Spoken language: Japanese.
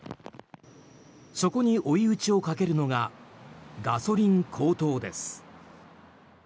そこに追い打ちをかけるのがガソリン高騰です。